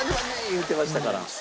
いうてましたから。